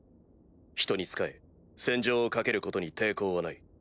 人に仕え戦場を駆けることに抵抗はない。